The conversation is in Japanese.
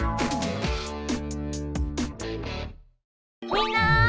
みんな！